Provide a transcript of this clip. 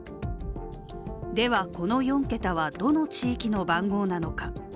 では、この４桁はどの地域の番号なのか。